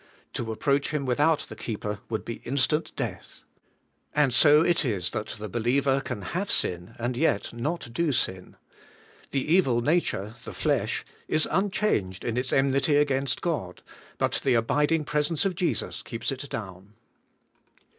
To approach him without the keeper would be instant death. And so it is that the believer can have sin and yet not do sin. The evil nature, the flesh, is unchanged in its enmity against God, but the abiding presence of Jesus keeps it down.